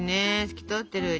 透き通ってる。